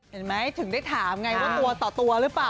เห็นไหมถึงได้ถามไงว่าตัวต่อตัวหรือเปล่า